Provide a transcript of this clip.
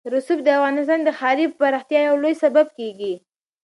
رسوب د افغانستان د ښاري پراختیا یو لوی سبب کېږي.